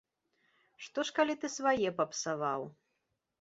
Што ж калі ты свае папсаваў.